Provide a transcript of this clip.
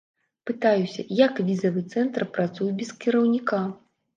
Пытаюся, як візавы цэнтр працуе без кіраўніка.